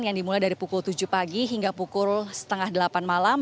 yang dimulai dari pukul tujuh pagi hingga pukul setengah delapan malam